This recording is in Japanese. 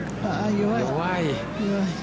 弱い。